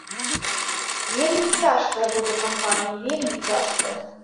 Вельмі цяжкая будзе кампанія, вельмі цяжкая.